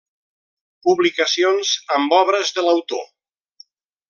Publicacions amb obres de l'autor.